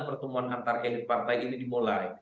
pertemuan antar elit partai ini dimulai